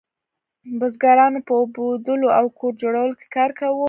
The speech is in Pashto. بزګرانو په اوبدلو او کور جوړولو کې کار کاوه.